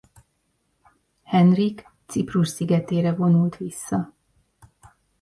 Henrik Ciprus szigetére vonult vissza.